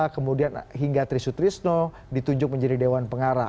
kemudian hingga trisut trisno ditujuk menjadi dewan pengarah